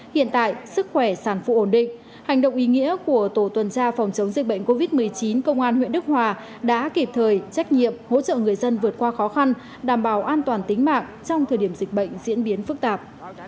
hiện tại sức khỏe sản phụ ổn định hành động ý nghĩa của tổ tuần tra phòng chống dịch bệnh covid một mươi chín công an huyện đức hòa đã kịp thời trách nhiệm hỗ trợ người dân vượt qua khó khăn đảm bảo an toàn tính mạng trong thời điểm dịch bệnh diễn biến phức tạp